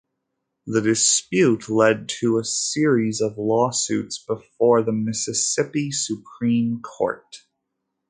The dispute led to a series of lawsuits before the Mississippi Supreme Court.